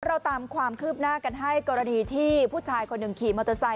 เราตามความคืบหน้ากันให้กรณีที่ผู้ชายคนหนึ่งขี่มอเตอร์ไซค